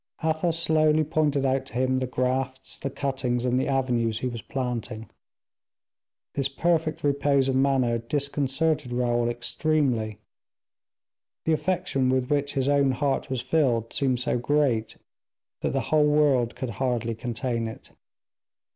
Athos slowly pointed out to him the grafts, the cuttings, and the avenues he was planting. This perfect repose of manner disconcerted Raoul extremely; the affection with which his own heart was filled seemed so great that the whole world could hardly contain it.